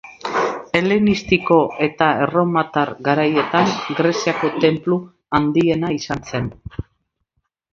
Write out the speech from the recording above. Helenistiko eta erromatar garaietan, Greziako tenplu handiena izan zen.